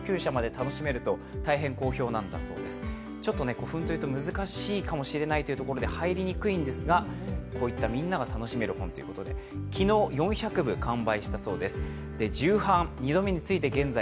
古墳というと難しいかもしれないということで入りにくいんですがこういったみんなが楽しめる本ということで昨日、４００部完売したそうです。